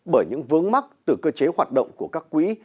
bởi những vướng mắc từ cơ chế hoạt động của các quỹ